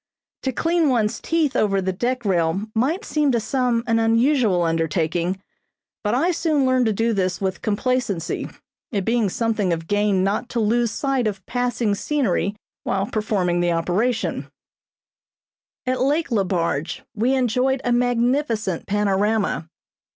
To clean one's teeth over the deck rail might seem to some an unusual undertaking, but I soon learned to do this with complacency, it being something of gain not to lose sight of passing scenery while performing the operation. [Illustration: MILES CANYON.] At Lake La Barge we enjoyed a magnificent panorama.